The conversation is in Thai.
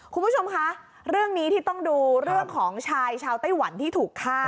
คุณผู้ชมคะเรื่องนี้ที่ต้องดูเรื่องของชายชาวไต้หวันที่ถูกฆ่า